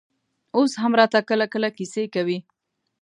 اوس هم راته کله کله کيسې کوي.